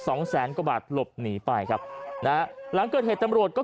สองแสนกว่าบาทหลบหนีไปครับนะฮะหลังเกิดเหตุตำรวจก็